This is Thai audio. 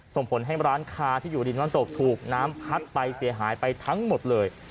ส่งผลให้ร้านค้าที่อยู่ริมน้ำตกถูกน้ำพัดไปเสียหายไปทั้งหมดเลย